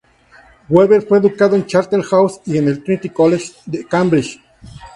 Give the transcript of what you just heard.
Weber fue educado en Charterhouse y en el Trinity College de Cambridge.